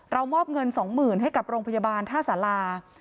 เรามอบเงินสองหมื่นให้กับโรงพยาบาลท่าสลา